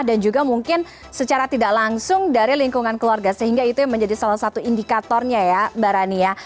dan juga mungkin secara tidak langsung dari lingkungan keluarga sehingga itu yang menjadi salah satu indikatornya ya mbak rania